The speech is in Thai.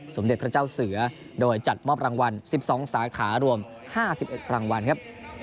สมเด็จพระเจ้าเสือโดยจัดมอบรางวัลสิบสองสาขารวมห้าสิบเอ็กส์รางวัลครับ